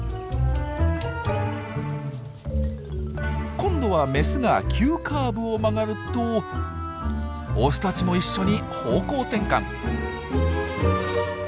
今度はメスが急カーブを曲がるとオスたちも一緒に方向転換。